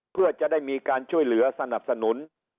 เพื่อจะได้มีการช่วยเหลือสนับสนุน